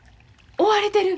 追われてる？